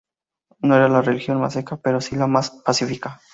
No era la región más seca pero si la más pacífica.